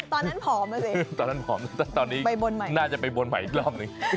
ตอนนั้นผอมสิไปบนใหม่ตอนนี้น่าจะไปบนใหม่อีกรอบหนึ่ง